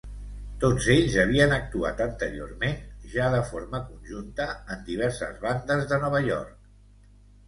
Tots ells havien actuat anteriorment, ja de forma conjunta, en diverses bandes de Nova York.